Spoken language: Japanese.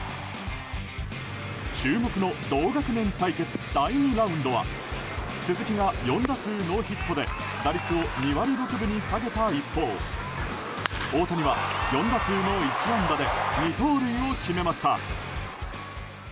注目の同学年対決第２ラウンドは鈴木が４打数ノーヒットで打率を２割６分に下げた一方大谷は４打数の１安打で２盗塁を決めました。